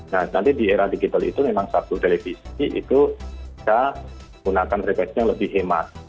nah nanti di era digital itu memang satu televisi itu kita gunakan refleksi yang lebih hemat